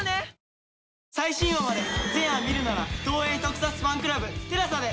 最新話まで全話見るなら東映特撮ファンクラブＴＥＬＡＳＡで。